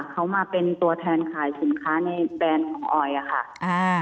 เขามาเป็นตัวแทนขายสินค้าในแบรนด์ของออยอะค่ะ